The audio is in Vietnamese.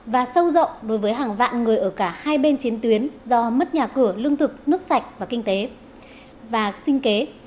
và sâu rộng đối với hàng vạn người ở cả hai bên chiến tuyến do mất nhà cửa lương thực nước sạch và kinh tế và sinh kế